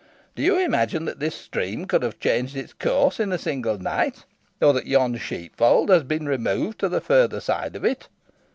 Do you imagine that this stream can have changed its course in a single night; or that yon sheepfold has been removed to the further side of it?"